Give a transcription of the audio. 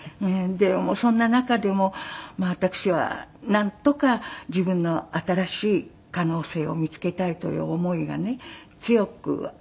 でそんな中でも私はなんとか自分の新しい可能性を見つけたいという思いがね強くありまして。